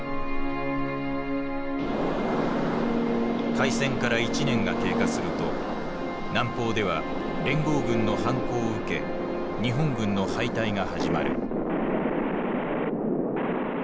開戦から１年が経過すると南方では連合軍の反攻を受け日本軍の敗退が始まる。